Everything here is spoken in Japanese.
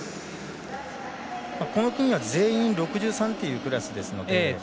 この組は全員６３というクラスですので。